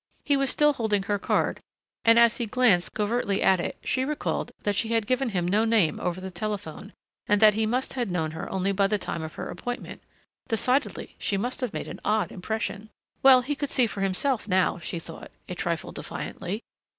He was still holding her card, and as he glanced covertly at it she recalled that she had given him no name over the telephone and that he had known her only by the time of her appointment. Decidedly she must have made an odd impression! Well, he could see for himself now, she thought, a trifle defiantly.